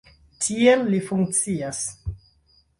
Tiel li funkcias.